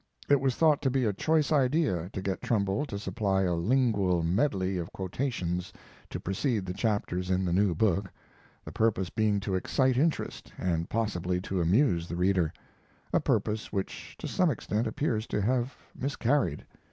It was thought to be a choice idea to get Trumbull to supply a lingual medley of quotations to precede the chapters in the new book, the purpose being to excite interest and possibly to amuse the reader a purpose which to some extent appears to have miscarried.